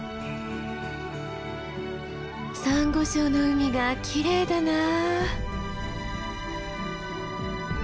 サンゴ礁の海がきれいだなぁ。